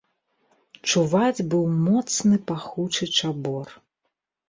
Чуваць быў моцны пахучы чабор.